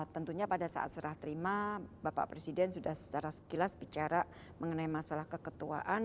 tentunya pada saat serah terima bapak presiden sudah secara sekilas bicara mengenai masalah keketuaan